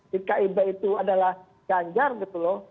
di kib itu adalah ganjar gitu loh